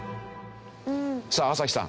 さあ朝日さん